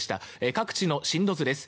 各地の震度図です。